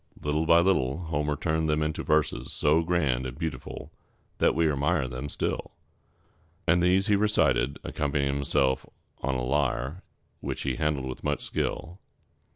Little by little Homer turned them into verses so grand and beautiful that we admire them still; and these he recited, accompanying himself on a lyre, which he handled with much skill.